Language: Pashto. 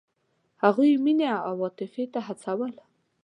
هغوی یې مینې او عاطفې ته هڅول.